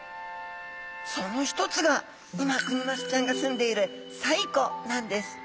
その一つが今クニマスちゃんがすんでいる西湖なんです！